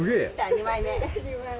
２枚目。